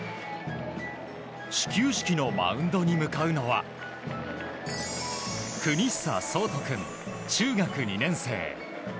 始球式のマウンドに向かうのは國久想仁君、中学２年生。